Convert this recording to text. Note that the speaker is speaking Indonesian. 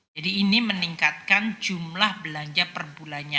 jadi ini meningkatkan jumlah belanja per bulannya